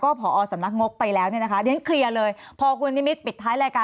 ก็ผอสำนักงบไปแล้วเนี่ยนะคะเขียนเลยพอคุณนิมิตรปิดท้ายแรกา